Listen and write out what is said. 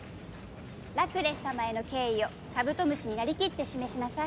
ラクレス様への敬意をカブトムシになりきって示しなさい。